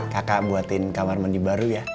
kakak buatin kamar mandi baru ya